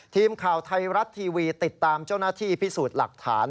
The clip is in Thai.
ทีมข่าวไทยรัฐทีวีติดตามเจ้าหน้าที่พิสูจน์หลักฐาน